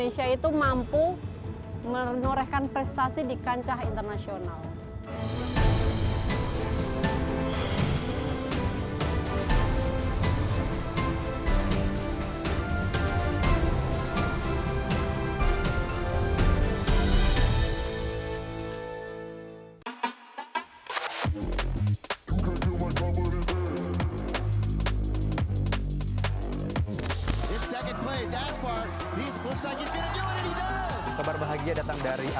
satu dua tiga